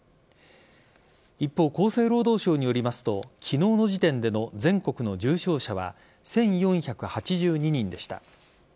一方、厚生労働省によりますと昨日の時点での全国の重症者は１４８２人でした。